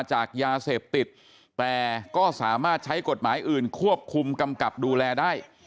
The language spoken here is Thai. จากยาเสพติดแต่ก็สามารถใช้กฎหมายอื่นควบคุมกำกับดูแลได้